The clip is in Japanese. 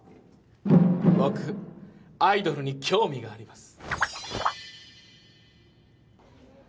僕アイドルに興味があります。